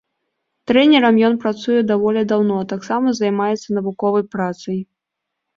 Трэнерам ён працуе даволі даўно, а таксама займаецца навуковай працай.